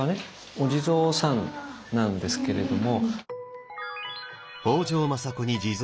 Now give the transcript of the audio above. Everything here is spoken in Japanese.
お地蔵さんなんですけれども。